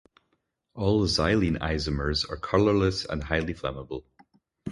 All xylene isomers are colorless and highly flammable.